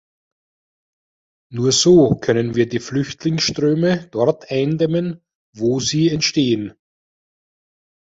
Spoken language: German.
Nur so können wir die Flüchtlingsströme dort eindämmen, wo sie entstehen.